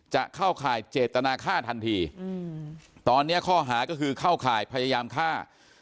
จะเข้าข่ายเจตนาค่าทันทีตอนนี้ข้อหาก็คือเข้าข่ายพยายามฆ่า